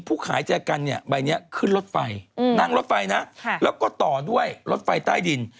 ขายแจกันเนี่ยใบนี้ขึ้นรถไฟนั่งรถไฟนะแล้วก็ต่อด้วยรถไฟใต้ดิน